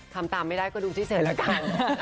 ทำตามไม่ได้ก็ดูที่เสริมละกัน